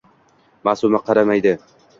Maʼsuma qaramaydi…